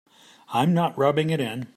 I'm not rubbing it in.